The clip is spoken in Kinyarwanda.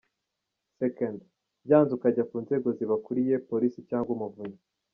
Second: Byanze ukajya ku nzego zibakuriye: Police cg Umuvunyi.